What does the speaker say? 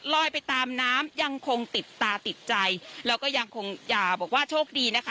ลอยไปตามน้ำยังคงติดตาติดใจแล้วก็ยังคงอย่าบอกว่าโชคดีนะคะ